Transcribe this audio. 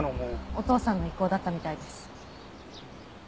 お父さんの意向だったみたいです。